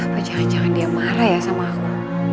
apa jangan jangan dia marah ya sama aku